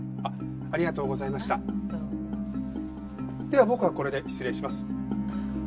では僕はこれで失礼します。